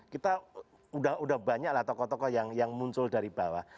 kita udah banyaklah tokoh tokoh yang muncul dari bawah